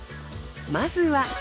まずは。